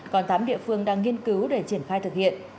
còn tám địa phương đang nghiên cứu để triển khai thực hiện